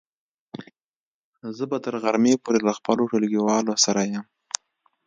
زه به تر غرمې پورې له خپلو ټولګیوالو سره يم.